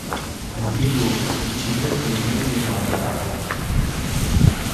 ஐயையோ, சிங்கத்தை நேரிலே பார்ப்பதா!